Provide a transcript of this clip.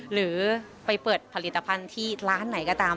หรือไปเปิดผลิตภัณฑ์ที่ร้านไหนก็ตาม